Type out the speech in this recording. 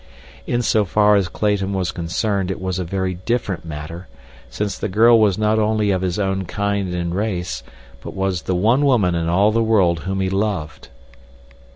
Insofar as Clayton was concerned it was a very different matter, since the girl was not only of his own kind and race, but was the one woman in all the world whom he loved.